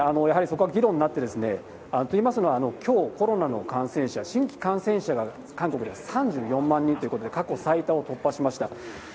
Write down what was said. やはりそこは議論になって、といいますのは、きょう、コロナの感染者、新規感染者が韓国では３４万人ということで、過去最多を突破しました。